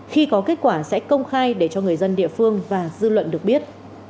khi có kết quả sẽ công khai để cho người dân địa phương và dư luận được biết